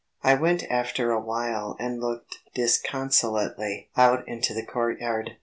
I went after awhile and looked disconsolately out into the court yard.